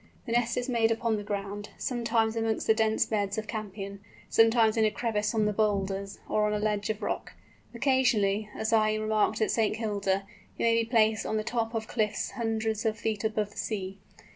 The nest is made upon the ground, sometimes amongst the dense beds of campion, sometimes in a crevice of the boulders, or on a ledge of rock. Occasionally, as I remarked at St. Kilda, it may be placed on the top of cliffs hundreds of feet above the sea.